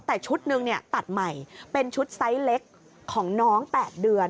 แต่ชุดหนึ่งตัดใหม่เป็นชุดไซส์เล็กของน้อง๘เดือน